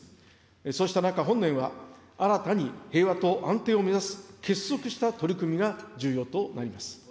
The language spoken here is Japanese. そうした中、本年は新たに平和と安定を目指す結束した取り組みが重要となります。